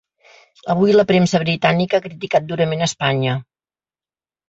Avui la premsa britànica ha criticat durament Espanya.